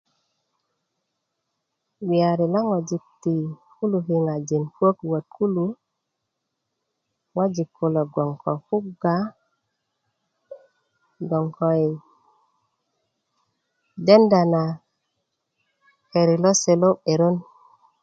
bgeyari lo ŋojik ti kulu kiŋajin puök wot kulu ŋojik kulo bgoŋ ko kuga bgoŋ ko denda na keri lose lo 'berön